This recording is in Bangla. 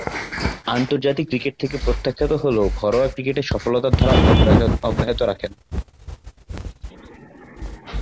আন্তর্জাতিক ক্রিকেট থেকে প্রত্যাখ্যাত হলেও ঘরোয়া ক্রিকেটে সফলতার ধারা অব্যাহত রাখেন।